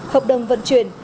hợp đồng vận chuyển